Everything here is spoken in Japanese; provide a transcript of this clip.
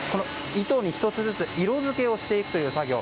糸に１つずつ色付けをしていく作業。